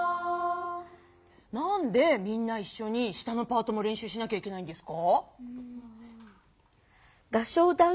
何でみんないっしょに下のパートもれんしゅうしなきゃいけないんですか？